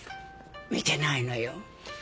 見てないのよ。